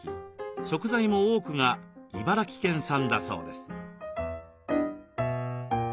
食材も多くが茨城県産だそうです。